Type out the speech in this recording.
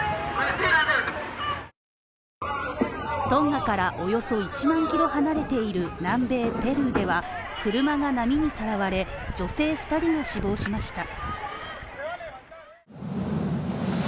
トンガからおよそ１万キロ離れている南米ペルーでは車が波にさらわれ、女性２人が死亡しました。